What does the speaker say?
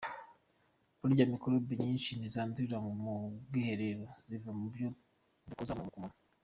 Burya mikorobe nyinshi ntizandurira mu bwiherero, ziva mu byo dukoza mu kanwa.